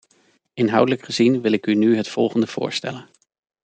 Inhoudelijk gezien wil ik u nu het volgende voorstellen.